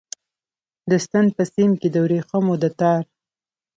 د ستن په سپم کې د وریښمو د تار